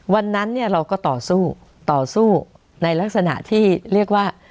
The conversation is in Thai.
วันนั้นเนี่ยเราก็ต่อสู้ต่อสู้ในลักษณะที่เรียกว่า